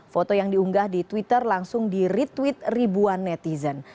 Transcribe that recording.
foto yang diunggah di twitter langsung di retweet ribuan netizen